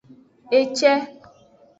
Ece.